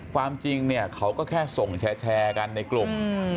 ความจริงเนี่ยเขาก็แค่ส่งแชร์กันในกลุ่ม